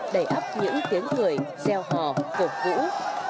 đầy ấp những tiếng cười reo hò cộp vũ